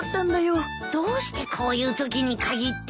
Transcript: どうしてこういうときに限って。